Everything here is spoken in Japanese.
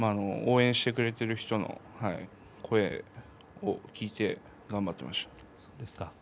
応援してくれている人の声を聞いて頑張っていました。